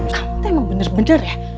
kamu emang bener bener ya